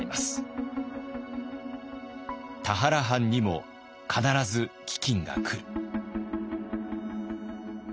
田原藩にも必ず飢饉が来る。